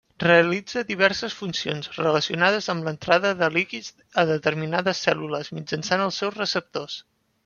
Realitza diverses funcions relacionades amb l'entrada de lípids a determinades cèl·lules mitjançant els seus receptors.